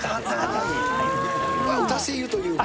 打たせ湯というか。